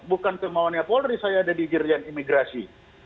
bukan kemauannya polri saya jadi jirian imigrasi